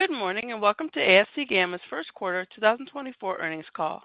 Good morning and welcome to AFC Gamma's First Quarter 2024 Earnings Call.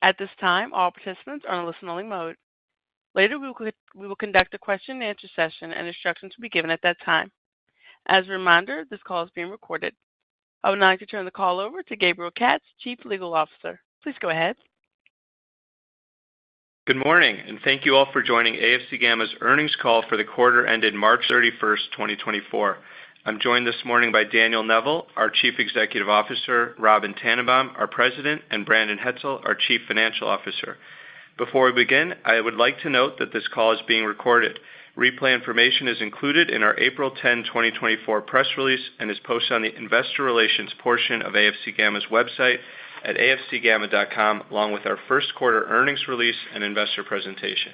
At this time, all participants are in a listen-only mode. Later we will conduct a question-and-answer session and instructions will be given at that time. As a reminder, this call is being recorded. I'll now turn the call over to Gabriel Katz, Chief Legal Officer. Please go ahead. Good morning and thank you all for joining AFC Gamma's earnings call for the quarter ended March 31st, 2024. I'm joined this morning by Daniel Neville, our Chief Executive Officer, Robyn Tannenbaum, our President, and Brandon Hetzel, our Chief Financial Officer. Before we begin, I would like to note that this call is being recorded. Replay information is included in our April 10, 2024, press release and is posted on the Investor Relations portion of AFC Gamma's website at afcgamma.com along with our first quarter earnings release and investor presentation.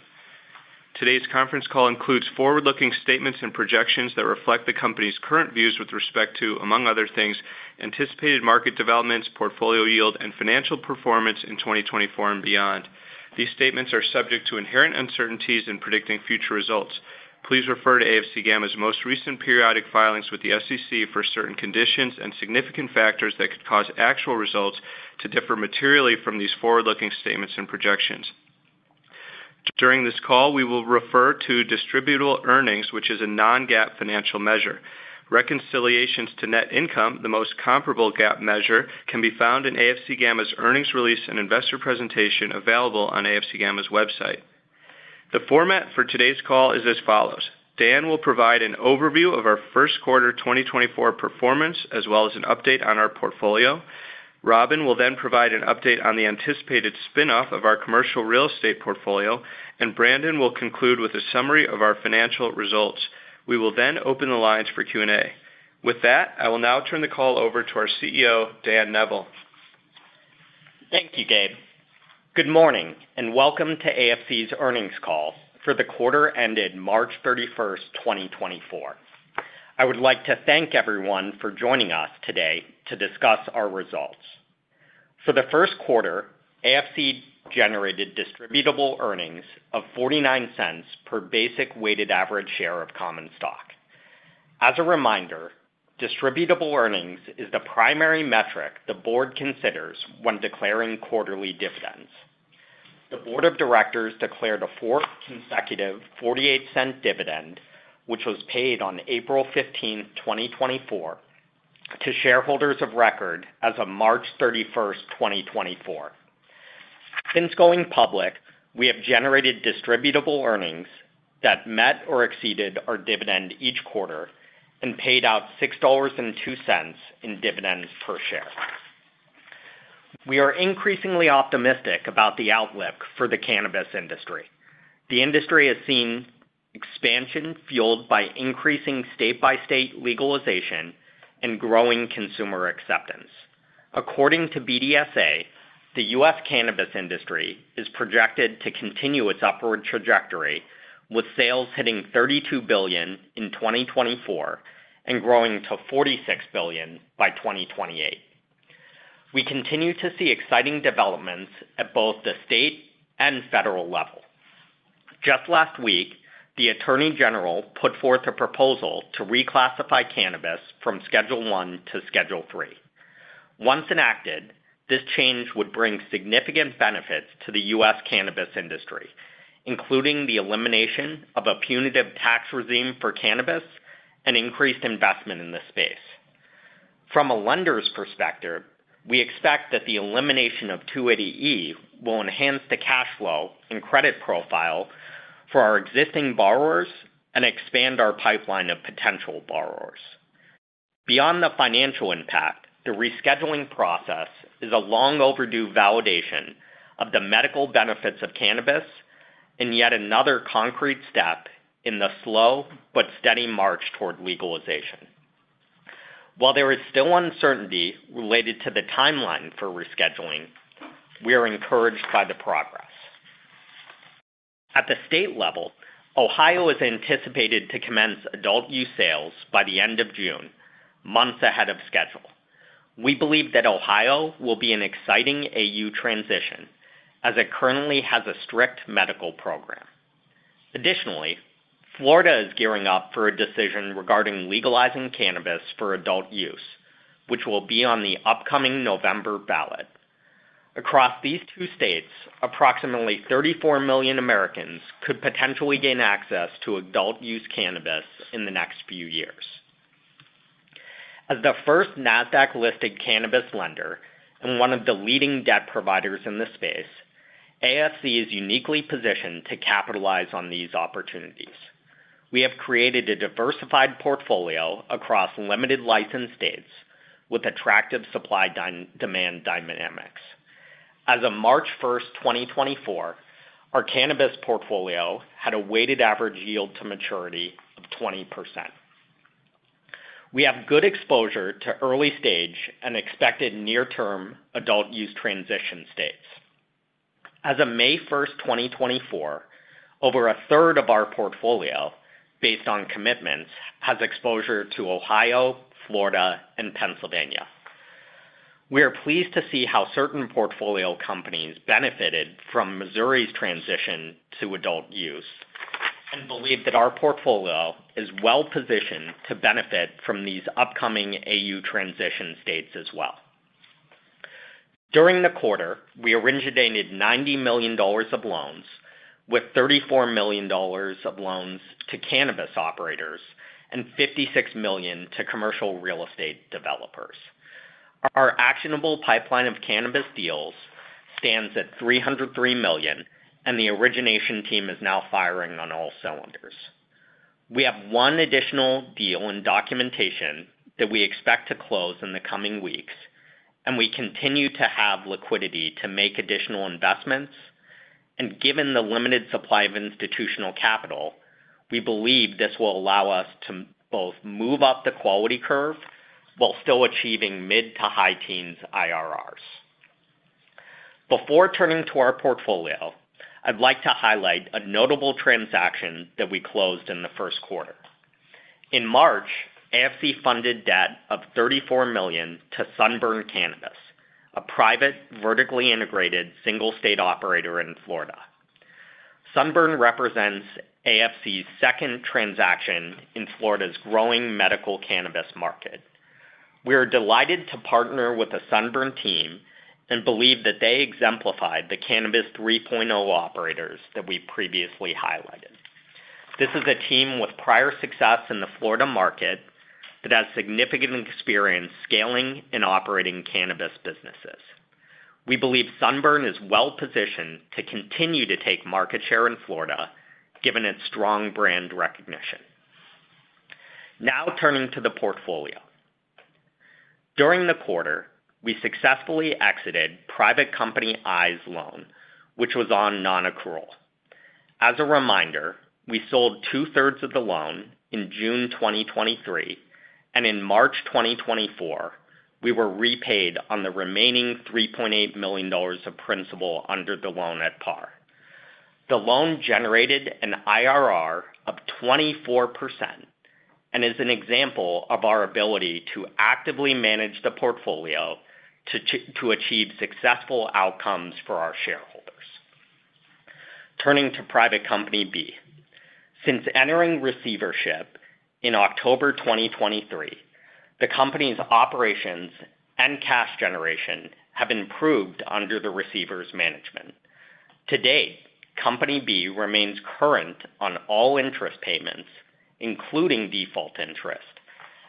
Today's conference call includes forward-looking statements and projections that reflect the company's current views with respect to, among other things, anticipated market developments, portfolio yield, and financial performance in 2024 and beyond. These statements are subject to inherent uncertainties in predicting future results. Please refer to AFC Gamma's most recent periodic filings with the SEC for certain conditions and significant factors that could cause actual results to differ materially from these forward-looking statements and projections. During this call, we will refer to distributable earnings, which is a non-GAAP financial measure. Reconciliations to net income, the most comparable GAAP measure, can be found in AFC Gamma's earnings release and investor presentation available on AFC Gamma's website. The format for today's call is as follows: Dan will provide an overview of our first quarter 2024 performance as well as an update on our portfolio. Robyn will then provide an update on the anticipated spinoff of our commercial real estate portfolio. And Brandon will conclude with a summary of our financial results. We will then open the lines for Q&A. With that, I will now turn the call over to our CEO, Dan Neville. Thank you, Gabe. Good morning and welcome to AFC's earnings call for the quarter ended March 31st, 2024. I would like to thank everyone for joining us today to discuss our results. For the first quarter, AFC generated distributable earnings of $0.49 per basic weighted average share of common stock. As a reminder, distributable earnings is the primary metric the board considers when declaring quarterly dividends. The board of directors declared a fourth consecutive $0.48 dividend, which was paid on April 15, 2024, to shareholders of record as of March 31st, 2024. Since going public, we have generated distributable earnings that met or exceeded our dividend each quarter and paid out $6.02 in dividends per share. We are increasingly optimistic about the outlook for the cannabis industry. The industry is seeing expansion fueled by increasing state-by-state legalization and growing consumer acceptance. According to BDSA, the U.S. Cannabis industry is projected to continue its upward trajectory, with sales hitting $32 billion in 2024 and growing to $46 billion by 2028. We continue to see exciting developments at both the state and federal level. Just last week, the Attorney General put forth a proposal to reclassify cannabis from Schedule I to Schedule III. Once enacted, this change would bring significant benefits to the U.S. cannabis industry, including the elimination of a punitive tax regime for cannabis and increased investment in the space. From a lender's perspective, we expect that the elimination of 280E will enhance the cash flow and credit profile for our existing borrowers and expand our pipeline of potential borrowers. Beyond the financial impact, the rescheduling process is a long-overdue validation of the medical benefits of cannabis and yet another concrete step in the slow but steady march toward legalization. While there is still uncertainty related to the timeline for rescheduling, we are encouraged by the progress. At the state level, Ohio is anticipated to commence adult use sales by the end of June, months ahead of schedule. We believe that Ohio will be an exciting AU transition as it currently has a strict medical program. Additionally, Florida is gearing up for a decision regarding legalizing cannabis for adult use, which will be on the upcoming November ballot. Across these two states, approximately 34 million Americans could potentially gain access to adult use cannabis in the next few years. As the first Nasdaq-listed cannabis lender and one of the leading debt providers in the space, AFC is uniquely positioned to capitalize on these opportunities. We have created a diversified portfolio across limited-licensed states with attractive supply-demand dynamics. As of March 1st, 2024, our cannabis portfolio had a weighted average yield to maturity of 20%. We have good exposure to early-stage and expected near-term adult use transition states. As of May 1st, 2024, over 1/3 of our portfolio, based on commitments, has exposure to Ohio, Florida, and Pennsylvania. We are pleased to see how certain portfolio companies benefited from Missouri's transition to adult use and believe that our portfolio is well-positioned to benefit from these upcoming AU transition states as well. During the quarter, we originated $90 million of loans, with $34 million of loans to cannabis operators and $56 million to commercial real estate developers. Our actionable pipeline of cannabis deals stands at $303 million, and the origination team is now firing on all cylinders. We have one additional deal in documentation that we expect to close in the coming weeks, and we continue to have liquidity to make additional investments. Given the limited supply of institutional capital, we believe this will allow us to both move up the quality curve while still achieving mid to high teens IRRs. Before turning to our portfolio, I'd like to highlight a notable transaction that we closed in the first quarter. In March, AFC funded debt of $34 million to Sunburn Cannabis, a private vertically integrated single-state operator in Florida. Sunburn represents AFC's second transaction in Florida's growing medical cannabis market. We are delighted to partner with the Sunburn team and believe that they exemplified the Cannabis 3.0 operators that we previously highlighted. This is a team with prior success in the Florida market that has significant experience scaling and operating cannabis businesses. We believe Sunburn is well-positioned to continue to take market share in Florida given its strong brand recognition. Now turning to the portfolio. During the quarter, we successfully exited Private Company I's loan, which was on non-accrual. As a reminder, we sold two-thirds of the loan in June 2023, and in March 2024, we were repaid on the remaining $3.8 million of principal under the loan at par. The loan generated an IRR of 24% and is an example of our ability to actively manage the portfolio to achieve successful outcomes for our shareholders. Turning to Private Company B. Since entering receivership in October 2023, the company's operations and cash generation have improved under the receivers' management. To date, Company B remains current on all interest payments, including default interest,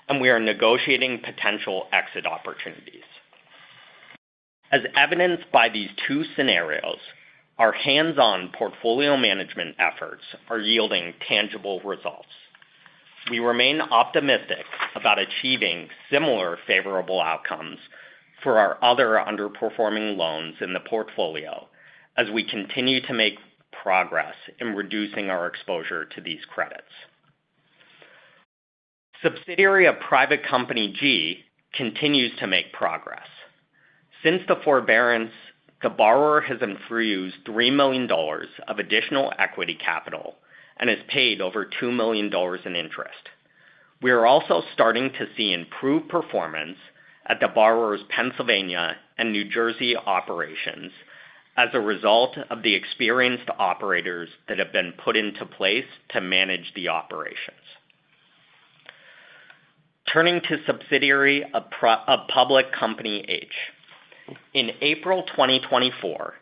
and we are negotiating potential exit opportunities. As evidenced by these two scenarios, our hands-on portfolio management efforts are yielding tangible results. We remain optimistic about achieving similar favorable outcomes for our other underperforming loans in the portfolio as we continue to make progress in reducing our exposure to these credits. Subsidiary of Private Company G continues to make progress. Since the forbearance, the borrower has infused $3 million of additional equity capital and has paid over $2 million in interest. We are also starting to see improved performance at the borrowers Pennsylvania and New Jersey operations as a result of the experienced operators that have been put into place to manage the operations. Turning to subsidiary of Public Company H. In April 2024,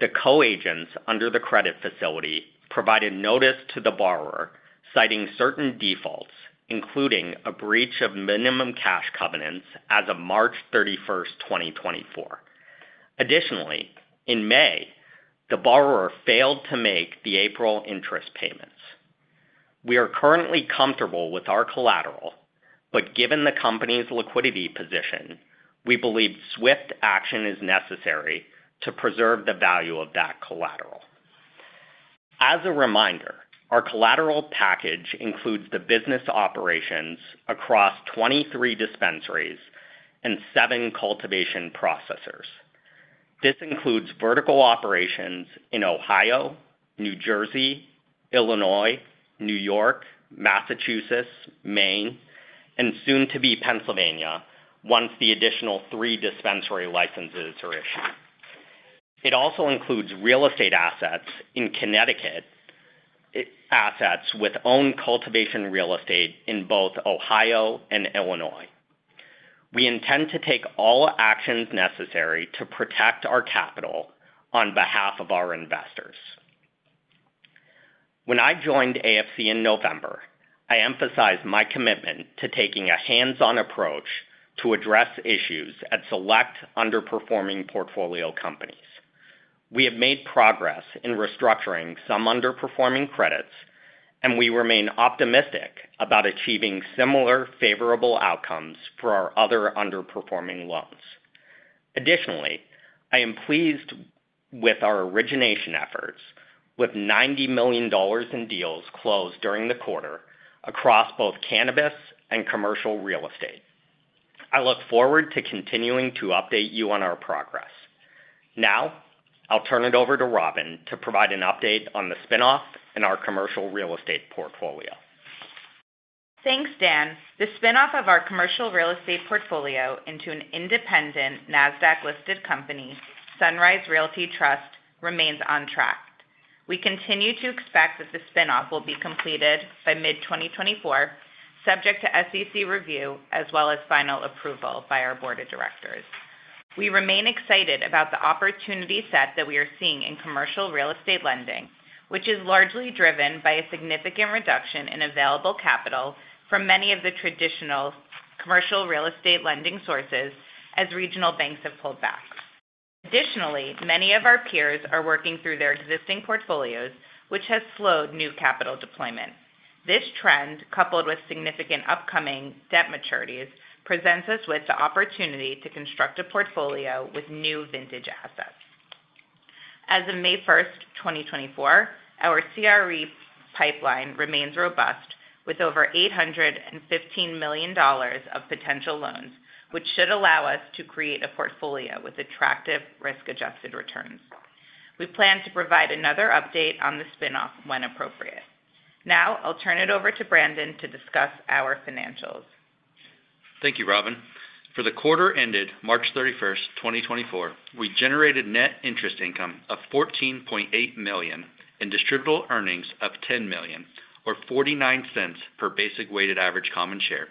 the co-agents under the credit facility provided notice to the borrower citing certain defaults, including a breach of minimum cash covenants as of March 31st, 2024. Additionally, in May, the borrower failed to make the April interest payments. We are currently comfortable with our collateral, but given the company's liquidity position, we believe swift action is necessary to preserve the value of that collateral. As a reminder, our collateral package includes the business operations across 23 dispensaries and seven cultivation processors. This includes vertical operations in Ohio, New Jersey, Illinois, New York, Massachusetts, Maine, and soon to be Pennsylvania once the additional three dispensary licenses are issued. It also includes real estate assets in Connecticut with owned cultivation real estate in both Ohio and Illinois. We intend to take all actions necessary to protect our capital on behalf of our investors. When I joined AFC in November, I emphasized my commitment to taking a hands-on approach to address issues at select underperforming portfolio companies. We have made progress in restructuring some underperforming credits, and we remain optimistic about achieving similar favorable outcomes for our other underperforming loans. Additionally, I am pleased with our origination efforts, with $90 million in deals closed during the quarter across both cannabis and commercial real estate. I look forward to continuing to update you on our progress. Now I'll turn it over to Robyn to provide an update on the spinoff in our commercial real estate portfolio. Thanks, Dan. The spinoff of our commercial real estate portfolio into an independent Nasdaq-listed company, Sunrise Realty Trust, remains on track. We continue to expect that the spinoff will be completed by mid-2024, subject to SEC review as well as final approval by our board of directors. We remain excited about the opportunity set that we are seeing in commercial real estate lending, which is largely driven by a significant reduction in available capital from many of the traditional commercial real estate lending sources as regional banks have pulled back. Additionally, many of our peers are working through their existing portfolios, which has slowed new capital deployment. This trend, coupled with significant upcoming debt maturities, presents us with the opportunity to construct a portfolio with new vintage assets. As of May 1st, 2024, our CRE pipeline remains robust with over $815 million of potential loans, which should allow us to create a portfolio with attractive risk-adjusted returns. We plan to provide another update on the spinoff when appropriate. Now I'll turn it over to Brandon to discuss our financials. Thank you, Robyn. For the quarter ended March 31st, 2024, we generated net interest income of $14.8 million and distributable earnings of $10 million, or $0.49 per basic weighted average common share,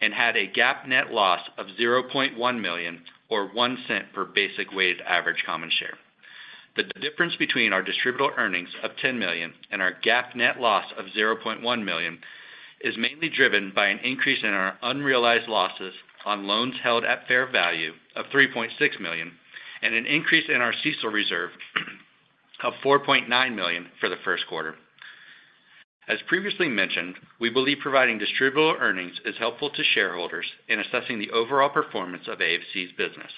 and had a GAAP net loss of $0.1 million, or $0.01 per basic weighted average common share. The difference between our distributable earnings of $10 million and our GAAP net loss of $0.1 million is mainly driven by an increase in our unrealized losses on loans held at fair value of $3.6 million and an increase in our CECL reserve of $4.9 million for the first quarter. As previously mentioned, we believe providing distributable earnings is helpful to shareholders in assessing the overall performance of AFC's business.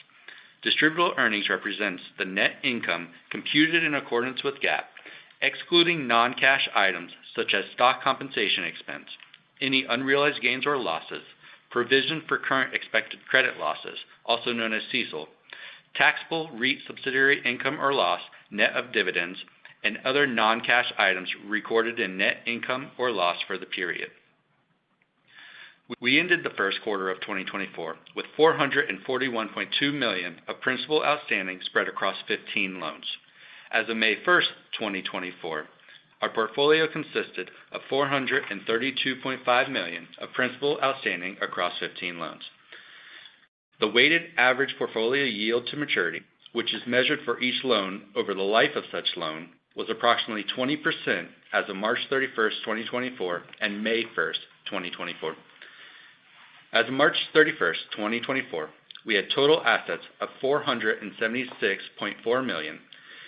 Distributable earnings represent the net income computed in accordance with GAAP, excluding non-cash items such as stock compensation expense, any unrealized gains or losses, provision for current expected credit losses, also known as CECL, taxable REIT subsidiary income or loss net of dividends, and other non-cash items recorded in net income or loss for the period. We ended the first quarter of 2024 with $441.2 million of principal outstanding spread across 15 loans. As of May 1st, 2024, our portfolio consisted of $432.5 million of principal outstanding across 15 loans. The weighted average portfolio yield to maturity, which is measured for each loan over the life of such loan, was approximately 20% as of March 31st, 2024, and May 1st, 2024. As of March 31st, 2024, we had total assets of $476.4 million,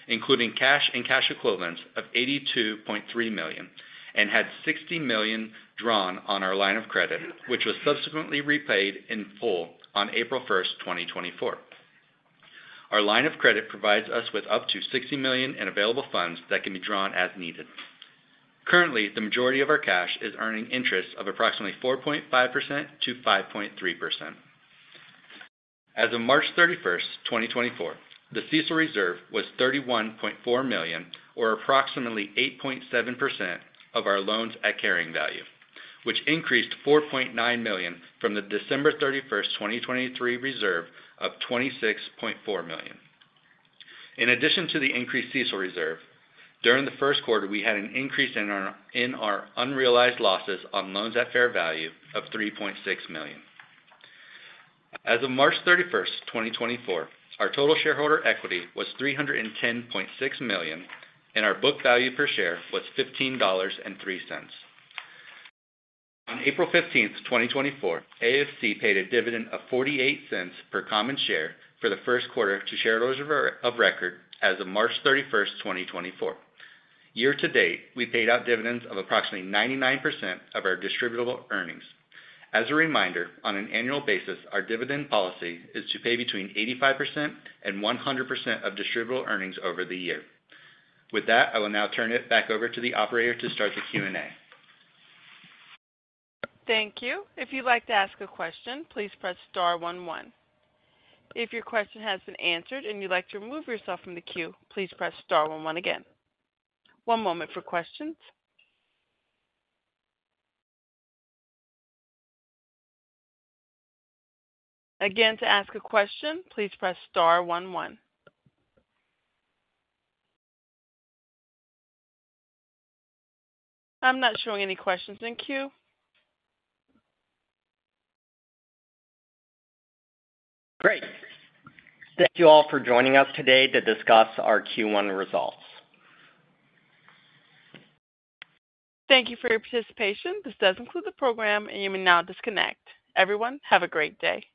including cash and cash equivalents of $82.3 million, and had $60 million drawn on our line of credit, which was subsequently repaid in full on April 1st, 2024. Our line of credit provides us with up to $60 million in available funds that can be drawn as needed. Currently, the majority of our cash is earning interest of approximately 4.5%-5.3%. As of March 31st, 2024, the CECL reserve was $31.4 million, or approximately 8.7% of our loans at carrying value, which increased $4.9 million from the December 31st, 2023, reserve of $26.4 million. In addition to the increased CECL reserve, during the first quarter we had an increase in our unrealized losses on loans at fair value of $3.6 million. As of March 31st, 2024, our total shareholder equity was $310.6 million, and our book value per share was $15.03. On April 15th, 2024, AFC paid a dividend of $0.48 per common share for the first quarter to shareholders of record as of March 31st, 2024. Year to date, we paid out dividends of approximately 99% of our distributable earnings. As a reminder, on an annual basis, our dividend policy is to pay between 85%-100% of distributable earnings over the year. With that, I will now turn it back over to the operator to start the Q&A. Thank you. If you'd like to ask a question, please press star one one. If your question has been answered and you'd like to remove yourself from the queue, please press star one one again. One moment for questions. Again, to ask a question, please press star one one. I'm not showing any questions in queue. Great. Thank you all for joining us today to discuss our Q1 results. Thank you for your participation. This does include the program, and you may now disconnect. Everyone, have a great day.